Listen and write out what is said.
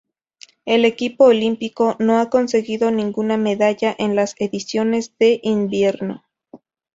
El equipo olímpico no ha conseguido ninguna medalla en las ediciones de invierno.